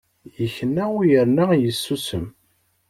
Yekna u yerna yessusem.